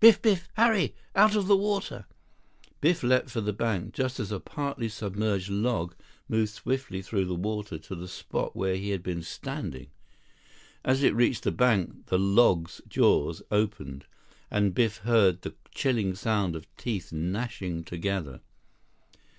"Biff! Biff! Hurry! Out of the water!" Biff leaped for the bank just as a partly submerged log moved swiftly through the water to the spot where he had been standing. As it reached the bank, the "log's" jaws opened, and Biff heard the chilling sound of teeth gnashing together.